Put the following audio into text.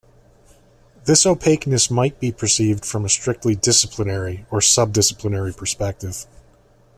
This opaqueness might be perceived from a strictly disciplinary, or sub-disciplinary perspective.